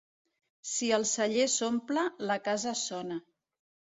Si el celler s'omple, la casa sona.